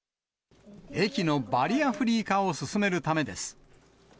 駅のバリアフリー化を進めるためです。